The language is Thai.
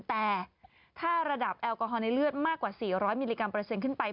แต่ถ้าระดับแอลกอฮอลในเลือดมากกว่า๔๐๐มิลลิกรัเปอร์เซ็นต์ขึ้นไป